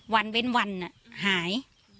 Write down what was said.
เว้นวันหาย